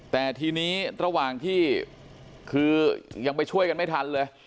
แต่ทีนี้ระหว่างที่คือยังไปช่วยกันไม่ทันเลย